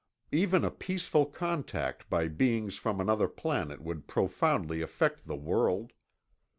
Even a peaceful contact by beings from another planet would profoundly affect the world.